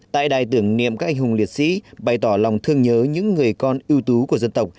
tại đài tưởng niệm các anh hùng liệt sĩ bày tỏ lòng thương nhớ những người con ưu tú của dân tộc